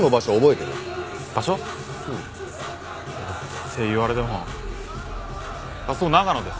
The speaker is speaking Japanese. って言われてもあっそう長野です。